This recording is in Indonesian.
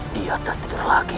dia tertidur lagi